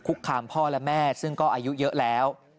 คามพ่อและแม่ซึ่งก็อายุเยอะแล้ว